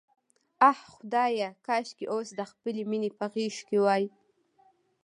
آه خدایه، کاشکې اوس د خپلې مینې په غېږ کې وای.